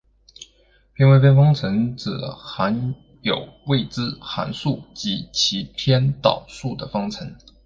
偏微分方程指含有未知函数及其偏导数的方程。